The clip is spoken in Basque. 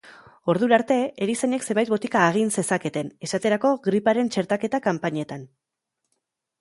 Ordura arte, erizainek zenbait botika agin zezaketen, esaterako, gripearen txertaketa-kanpainetan.